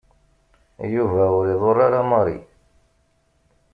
Yuba ur iḍuṛṛ ara Mary.